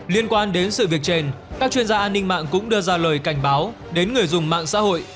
liên quan đến sự việc trên các chuyên gia an ninh mạng cũng đưa ra lời cảnh báo đến người dùng mạng xã hội